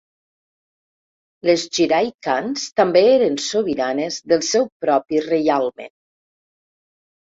Les Giray khans també eren sobiranes del seu propi reialme.